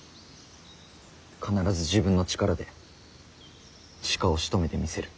必ず自分の力で鹿をしとめてみせる。